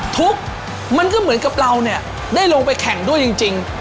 ทุกอารมณ์ที่เกิดขึ้น